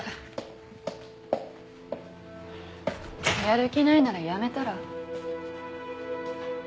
やる気ないなら辞めたら。